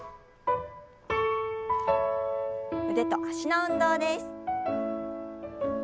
腕と脚の運動です。